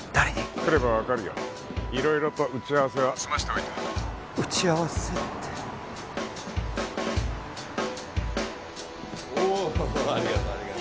来れば分かるよ色々と打ち合わせは済ませておいた打ち合わせってありがとありがと